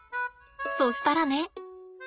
そしたらね。